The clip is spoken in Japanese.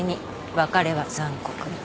別れは残酷に。